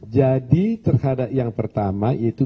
jadi terhadap yang pertama yaitu